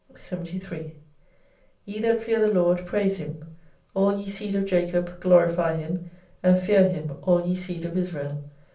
73 Ye that fear the Lord, praise Him ; all ye seed of Jacob, glorify Him, and fear Him all ye seed of Israel.